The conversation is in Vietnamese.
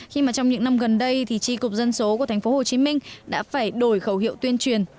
khi mà trong những năm gần đây thì tri cục dân số của thành phố hồ chí minh đã phải đổi khẩu hiệu tuyên truyền